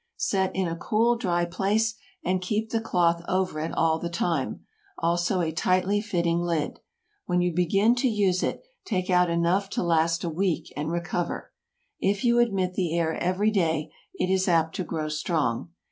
Set in a cool, dry place, and keep the cloth over it all the time; also a tightly fitting lid. When you begin to use it, take out enough to last a week, and re cover. If you admit the air every day, it is apt to grow strong.